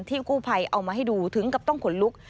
กู้ภัยเอามาให้ดูถึงกับต้องขนลุก